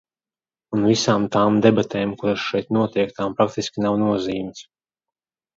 Un visām tām debatēm, kuras šeit notiek, tām praktiski nav nozīmes.